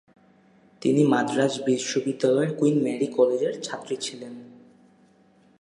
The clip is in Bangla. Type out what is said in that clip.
তিনি মাদ্রাজ বিশ্ববিদ্যালয়ের কুইন মেরি কলেজের ছাত্রী ছিলেন।